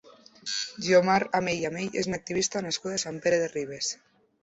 Guiomar Amell i Amell és una activista nascuda a Sant Pere de Ribes.